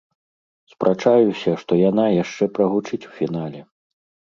Спрачаюся, што яна яшчэ прагучыць у фінале.